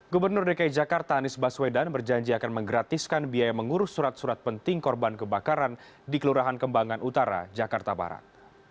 gubernur dki jakarta anies baswedan berjanji akan menggratiskan biaya mengurus surat surat penting korban kebakaran di kelurahan kembangan utara jakarta barat